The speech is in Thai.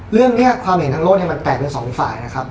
เรื่องเนี่ยความเห็นทั้งโลนให้มันแตกเป็น๒ฝ่ายนะครับ